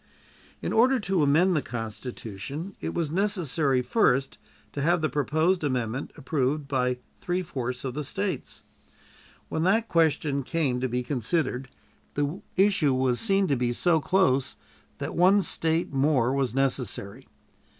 In order thus to amend the Constitution, it was necessary first to have the proposed amendment approved by three fourths of the States. When that question came to be considered, the issue was seen to be so close that one State more was necessary.